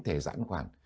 thể giãn khoảng